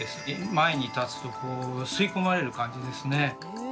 前に立つとこう吸い込まれる感じですね。